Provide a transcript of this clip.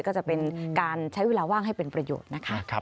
ก็จะเป็นการใช้เวลาว่างให้เป็นประโยชน์นะคะ